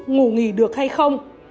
ngủ nghỉ được hay không